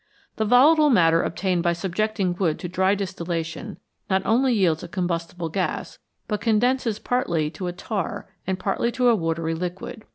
The volatile matter obtained by subjecting wood to dry distillation not only yields a combustible gas, but condenses partly to a tar and partly to a watery liquid.